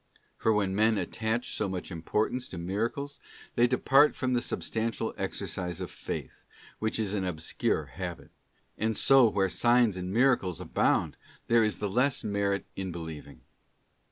For when men attach so much importance to miracles, they depart from the substantial exercise of faith, which is an obscure habit ; and so where signs and miracles abound, there is the less merit in believing.